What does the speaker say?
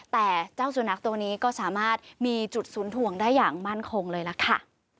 แต่เจ้าสุนัขตัวนี้ก็สามารถมีจุดศูนย์ถ่วงได้อย่างมั่นคงเลยล่ะค่ะ